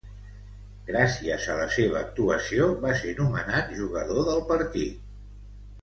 Gràcies a la seva actuació, va ser nomenat Jugador del Partit.